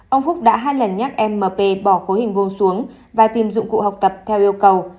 ông phúc đã hai lần nhắc m p bỏ khối hình vuông xuống và tìm dụng cụ học tập theo yêu cầu